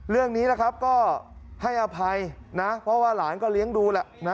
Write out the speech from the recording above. เรื่องนี้นะครับก็ให้อภัยนะเพราะว่าหลานก็เลี้ยงดูแหละนะ